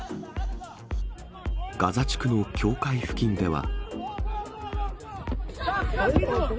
ガザ地区の境界付近では。